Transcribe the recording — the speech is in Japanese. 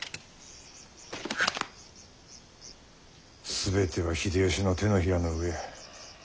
全ては秀吉の手のひらの上。